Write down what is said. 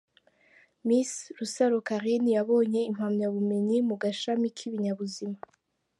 Miss Rusaro Carine: yabonye impamyabumenyi mu gashami k’ibinyabuzima.